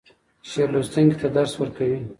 شعر لوستونکی ته درس ورکوي.